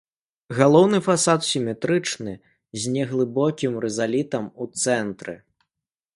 Галоўны фасад сіметрычны, з неглыбокім рызалітам у цэнтры.